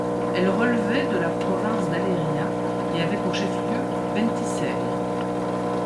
Elle relevait de la province d'Aléria et avait pour chef-lieu Ventiseri.